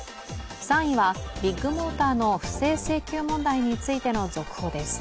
３位はビッグモーターの不正請求問題についての続報です。